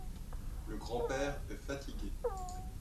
Le grand-père est fatigué.